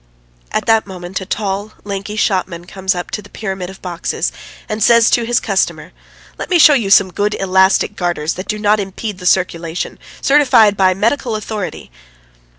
At that moment a tall, lanky shopman comes up to the pyramid of boxes, and says to his customer: "Let me show you some good elastic garters that do not impede the circulation, certified by medical authority